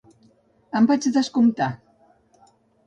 Em vaig descomptar.